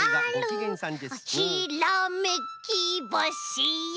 「ひらめきぼしよ」